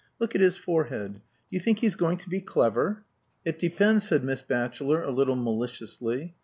Look at his forehead. Do you think he's going to be clever?" "It depends," said Miss Batchelor, a little maliciously.